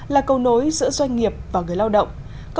là cầu nối giữa doanh nghiệp và người lao động